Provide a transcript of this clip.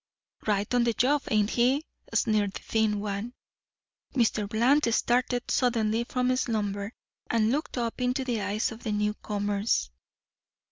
"Right on the job, ain't he?" sneered the thin one. Mr. Bland started suddenly from slumber, and looked up into the eyes of the newcomers.